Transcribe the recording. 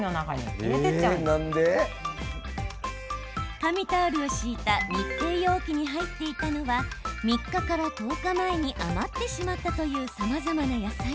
紙タオルを敷いた密閉容器に入っていたのは３日から１０日前に余ってしまったというさまざまな野菜。